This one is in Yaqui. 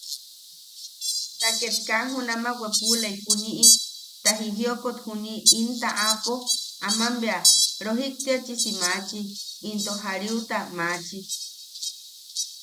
Ta ket kaa junama weelapuniʼi, ta jijiokot juni in a taʼapo, aman bea rojiktiachisi maachi, into jariuta maachi.